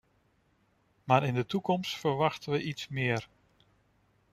Maar in de toekomst verwachten we iets meer.